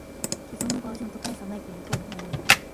既存のバージョンと大差ないという声も多い